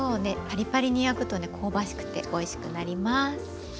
パリパリに焼くとね香ばしくておいしくなります。